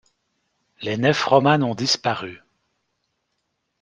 Les nefs romanes ont disparu.